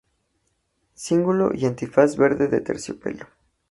Cíngulo y antifaz verde de terciopelo.